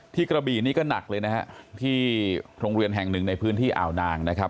กระบีนี่ก็หนักเลยนะฮะที่โรงเรียนแห่งหนึ่งในพื้นที่อ่าวนางนะครับ